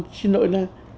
xin lỗi nè